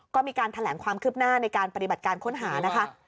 ก็มีการแถลงความคืบหน้าในการปฏิบัติการค้นหานะคะ